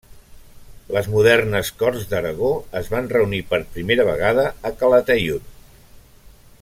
Les modernes Corts d'Aragó es van reunir per primera vegada a Calataiud.